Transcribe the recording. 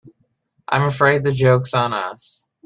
I'm afraid the joke's on us.